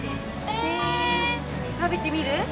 食べてみる？